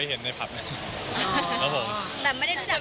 เจอทักทายปกติแต่ว่าเราไม่ได้แบบ